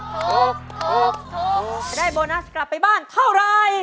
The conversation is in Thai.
ถูกจะได้โบนัสกลับไปบ้านเท่าไร